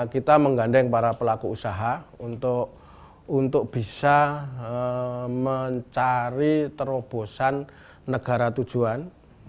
kita menggandeng para pelaku usaha untuk bisa mencari terobosan negara tujuan